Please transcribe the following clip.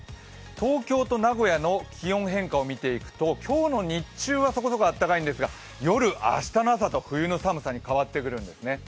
東京と名古屋の気温の変化を見ていくと、今日の日中はそこそこ暖かいんですが、夜、明日の朝と冬の寒さに変わってくるんですね。